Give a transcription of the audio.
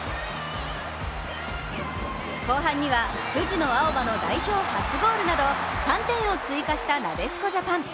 後半には藤野あおばの代表初ゴールなど３点を追加したなでしこジャパン。